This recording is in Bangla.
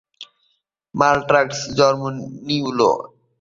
মন্টাক্লার জন্ম লিওনে।